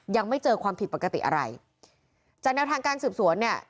ยังไม่เจอความผิดปกติอะไรจากแนวทางการสืบสวนเนี่ย